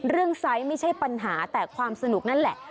ไซส์ไม่ใช่ปัญหาแต่ความสนุกนั่นแหละ